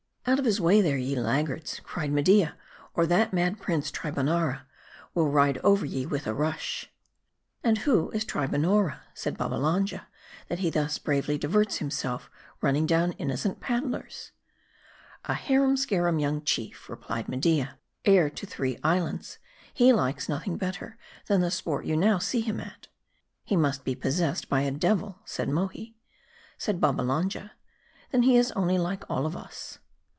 r "Out of his way there, ye laggards," cried Media, " or that mad prince, Tribonnora, will ride over ye with a rush!" " And who is Tribonnora," said Babbalanja, " that he thus bravely diverts himself, running down innocent pad dlers ?"" A harum scarum young chief," replied Media, " heir to three islands ; he likes nothing better than the sport you now see him at." " He must be possessed by a devil," said Mohi. Said Babbalanja, " Then he is only like all of us."